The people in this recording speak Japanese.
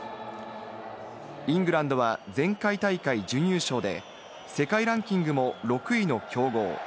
イングランドは前回大会、準優勝で世界ランキングも６位の強豪。